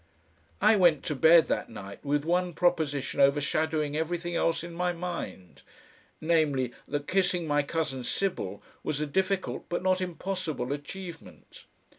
I went to bed that night with one proposition overshadowing everything else in my mind, namely, that kissing my cousin Sybil was a difficult, but not impossible, achievement.